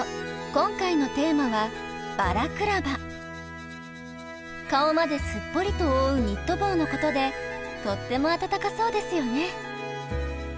今回のテーマは顔まですっぽりと覆うニット帽のことでとっても暖かそうですよね。